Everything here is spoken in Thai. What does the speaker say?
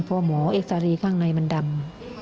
พอหมอเอ็กซารีข้างในมันดำ